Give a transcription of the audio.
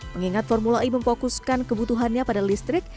mengingat formula e memfokuskan kebutuhannya pada listrik